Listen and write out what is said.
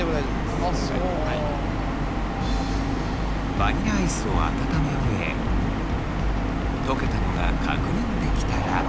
バニラアイスを温め終え溶けたのが確認できたら。